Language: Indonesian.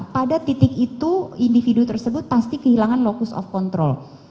pada titik itu individu tersebut pasti kehilangan lokus of control